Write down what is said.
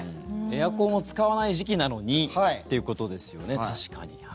エアコンを使わない時期なのにということですよね。